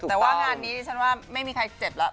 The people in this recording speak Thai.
แต่ว่างานนี้ดิฉันว่าไม่มีใครเจ็บแล้ว